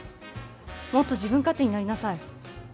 もっと自分勝手になりなさい。